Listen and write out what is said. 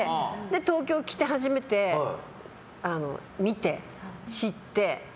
東京来て、初めて見て知って。